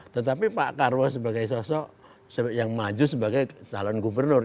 tetapi pak karwo sebagai sosok yang maju sebagai calon gubernur